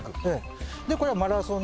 でこれはマラソンの。